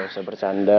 gak usah bercanda